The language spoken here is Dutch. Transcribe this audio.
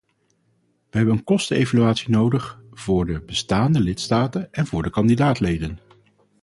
We hebben een kostenevaluatie nodig voor de bestaande lidstaten en voor de kandidaat-landen.